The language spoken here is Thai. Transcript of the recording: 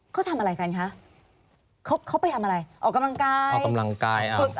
เขาทำอะไรกันคะเขาเขาไปทำอะไรออกกำลังกายออกกำลังกาย